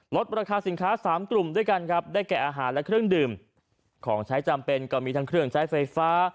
ลดราคาสินค้าสามกลุ่มด้วยกันครับได้แก่อาหารและเครื่องดื่มของใช้จำเป็นก็มีทั้งเครื่องใช้ไฟฟ้า